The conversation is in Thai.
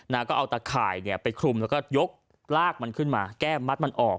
ก็เอาตะข่ายเนี่ยไปคลุมแล้วก็ยกลากมันขึ้นมาแก้มมัดมันออก